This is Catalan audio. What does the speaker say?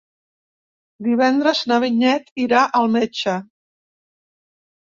Divendres na Vinyet irà al metge.